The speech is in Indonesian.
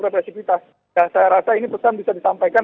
retrasifitas saya rasa ini pesan bisa disampaikan